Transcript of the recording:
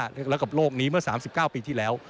แล้วกับโลกนี้เมื่อ๓๙ปีที่แล้ว